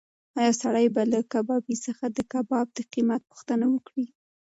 ایا سړی به له کبابي څخه د کباب د قیمت پوښتنه وکړي؟